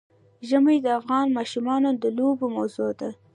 ژمی د افغان ماشومانو د لوبو موضوع ده.